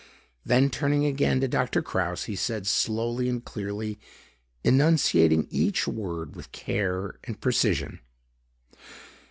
Then turning again to Doctor Kraus, he said slowly and clearly, enunciating each word with care and precision.